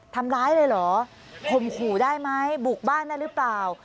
ทำร้ายเลยเหรอข่มขู่ได้ไหมบุกบ้านได้หรือเปล่า